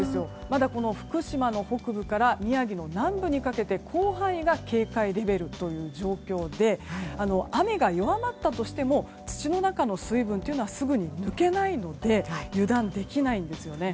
まだ福島の北部から宮城の南部にかけて広範囲が警戒レベルという状況で雨が弱まったとしても土の中の水分はすぐに抜けないので油断できないんですよね。